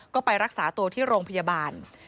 ก็ไปรักษาตัวที่โรงพยาบาล